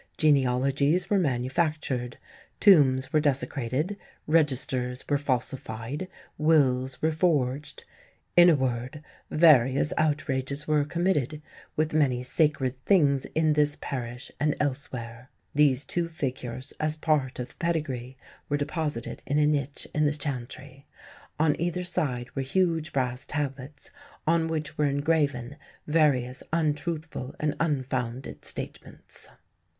Genealogies were manufactured, tombs were desecrated, registers were falsified, wills were forged in a word, various outrages were committed, with many sacred things in this parish and elsewhere. These two figures, as part of the pedigree, were deposited in a niche in the chantry; on either side were huge brass tablets on which were engraven various untruthful and unfounded statements."